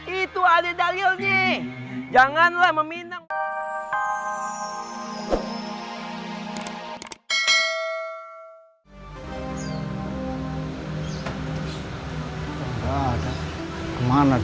itu adik dalilnya janganlah meminang